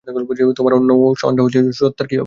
তোমার অন্য ওয়ান্ডা সত্তার কী হবে?